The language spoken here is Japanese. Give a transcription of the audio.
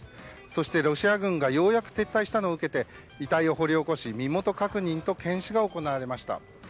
そしてロシア軍がようやく撤退したのを受けて遺体を掘り起こし身元確認と検視が行われました。